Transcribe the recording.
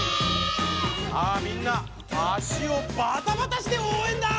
さあみんな足をバタバタしておうえんだ！